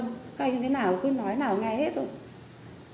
cái như thế nào cứ nói như thế nào nghe hết thôi